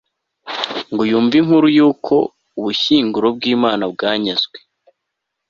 ngo yumve inkuru y'uko ubushyinguro bw'imana bwanyazwe